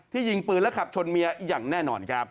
ยิงปืนและขับชนเมียอย่างแน่นอนครับ